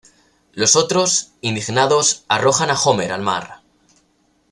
Los otros, indignados, arrojan a Homer al mar.